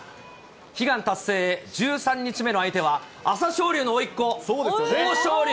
悲願達成へ、１３日目の相手は、朝青龍のおいっこ、豊昇龍。